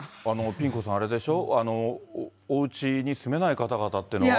ピン子さん、あれでしょ、おうちに住めない方々っていうのは。